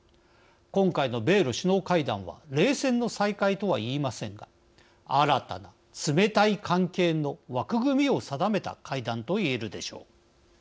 今回の米ロ首脳会談は冷戦の再開とは言いませんが新たな冷たい関係の枠組みを定めた会談といえるでしょう。